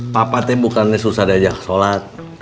papa tuh bukan susah diajak sholat